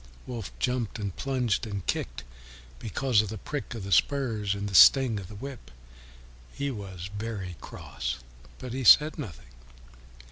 Wolf jumped and plunged and kicked because of the prick of the spurs and the sting of the whip; he was very cross, but he said nothing.